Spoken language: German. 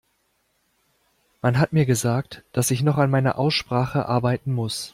Man hat mir gesagt, dass ich noch an meiner Aussprache arbeiten muss.